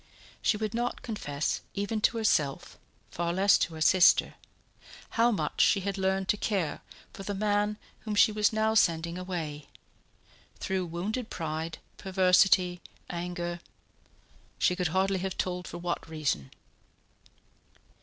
She would not confess even to herself, far less to her sister, how much she had learned to care for the man whom she was now sending away through wounded pride, perversity, anger ... she could hardly have told for what reason.